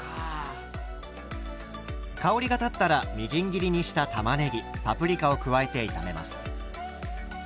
香りが立ったらみじん切りにしたたまねぎパプリカを加えて炒めます。